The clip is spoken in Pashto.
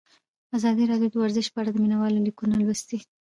ازادي راډیو د ورزش په اړه د مینه والو لیکونه لوستي.